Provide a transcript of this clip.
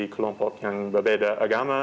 kelompok yang berbeda agama